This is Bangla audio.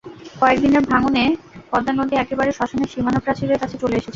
কয়েক দিনের ভাঙনে পদ্মা নদী একেবারে শ্মশানের সীমানাপ্রাচীরের কাছে চলে এসেছে।